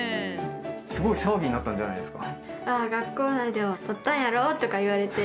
すごい騒ぎになったんじゃないですか？